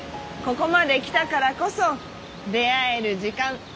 ここまで来たからこそ出会える時間。